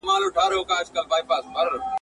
هره شپه به وي خپړي په نوکرځو.